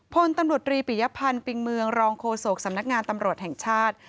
พลตำรวจรีปิยพันธ์ปิงเมืองรองโฆษกสำนักงานตำรวจแห่งชาติ